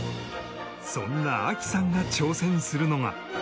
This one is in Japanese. そんな亜希さんが挑戦するのが